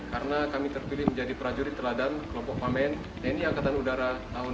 karena kami terpilih menjadi prajurit teladan kelompok pamen tni angkatan udara tahun dua ribu delapan belas